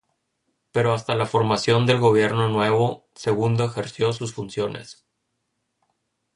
Pero hasta la formación del Gobierno nuevo, segundo ejerció sus funciones.